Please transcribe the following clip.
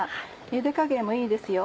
ゆで加減もいいですよ。